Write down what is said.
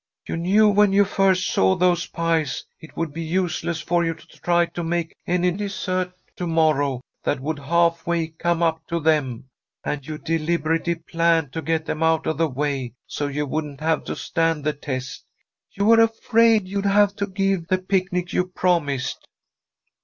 You knew when you first saw those pies it would be useless for you to try to make any dessert to morrow that would half way come up to them, and you deliberately planned to get them out of the way, so you wouldn't have to stand the test. You were afraid you'd have to give the picnic you promised."